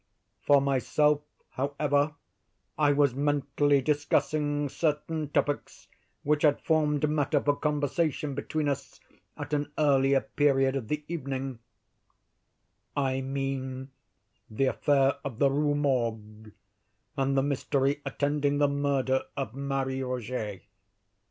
For myself, however, I was mentally discussing certain topics which had formed matter for conversation between us at an earlier period of the evening; I mean the affair of the Rue Morgue, and the mystery attending the murder of Marie Rogêt.